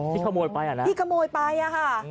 ขโมยไปอ่ะนะที่ขโมยไปอะค่ะ